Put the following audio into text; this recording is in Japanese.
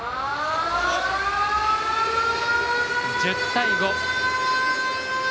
１０対５。